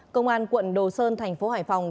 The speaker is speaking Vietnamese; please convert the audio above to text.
công an quận đồ sơn thành phố hải phòng